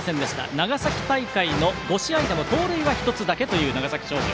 長崎大会の５試合でも盗塁は１つだけという長崎商業。